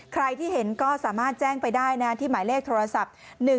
ใครที่เห็นก็สามารถแจ้งไปได้นะที่หมายเลขโทรศัพท์